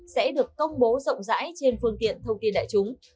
sẽ được công bố rộng rãi trên phương tiện thông tin đại chúng